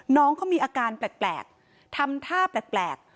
น้องเขามีอาการแปลกทำท่าแปลก